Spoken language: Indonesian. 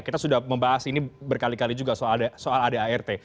kita sudah membahas ini berkali kali juga soal adart